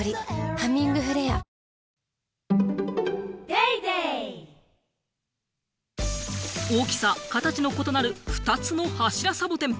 「ハミングフレア」大きさ、形の異なる２つの柱サボテン。